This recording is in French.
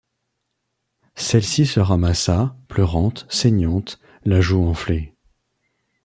Celle-ci se ramassa, pleurante, saignante, la joue enflée.